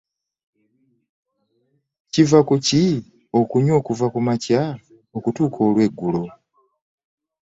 Kiva ku ki okunywa okuva kumakya okutuuka olweggulo?